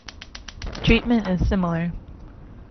Treatment is similar.